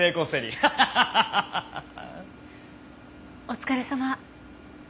お疲れさま。